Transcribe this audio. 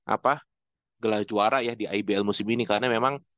apa gelar juara ya di ibl musim ini karena memang